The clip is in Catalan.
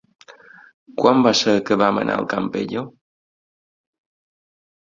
Quan va ser que vam anar al Campello?